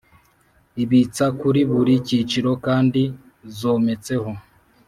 ibitsa kuri buri cyiciro kandi zometseho